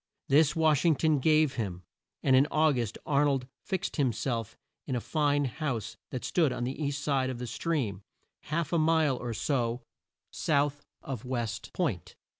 This Wash ing ton gave him, and in Au gust Ar nold fixed him self in a fine house that stood on the east side of the stream, half a mile or so south of West Point.